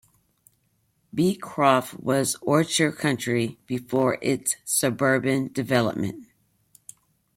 Beecroft was orchard country before its suburban development.